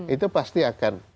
itu pasti akan